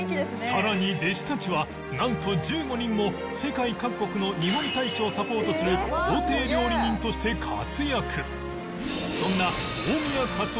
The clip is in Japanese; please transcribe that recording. さらに弟子たちはなんと１５人も世界各国の日本大使をサポートする公邸料理人として活躍